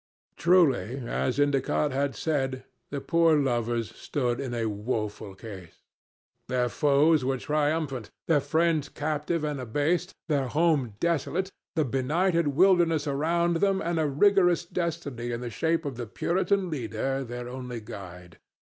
Truly, as Endicott had said, the poor lovers stood in a woeful case. Their foes were triumphant, their friends captive and abased, their home desolate, the benighted wilderness around them, and a rigorous destiny in the shape of the Puritan leader their only guide.